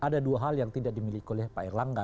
ada dua hal yang tidak dimiliki oleh pak erlangga